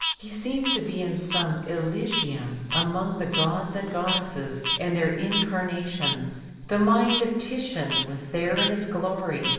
He seemed to be in some Elysium among the gods and goddesses, and their incarnations. The mind of Titian was there in its glory.